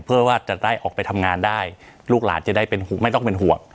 เพื่อว่าจะได้ออกไปทำงานได้ลูกหลานจะได้ไม่ต้องเป็นห่วง